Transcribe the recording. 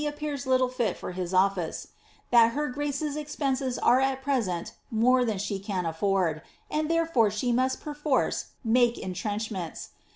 appears little fit for his office ; that her f^ce^s expenses are at present more than she can atFord, and therefore she must perforce make retrench* ments.